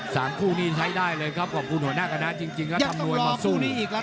สามคู่นี้ใช้ได้เลยครับขอบคุณหัวหน้าคณะจริงจริงยังต้องรอคู่นี้อีกแล้ว